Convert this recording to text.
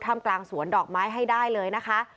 ทำกลางสวนดอกไม้ให้ได้เลยนะคะ